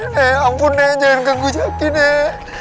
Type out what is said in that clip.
nenek ampun nenek jangan ganggu jaki nenek